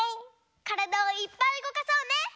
からだをいっぱいうごかそうね！